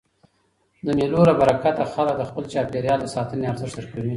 د مېلو له برکته خلک د خپل چاپېریال د ساتني ارزښت درکوي.